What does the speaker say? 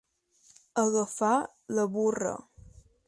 Agafar la burra.